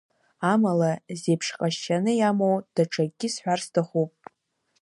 Амала, зеиԥш ҟазшьаны иамоу даҽакгьы сҳәар сҭахуп.